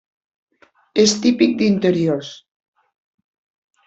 És típic d'interiors.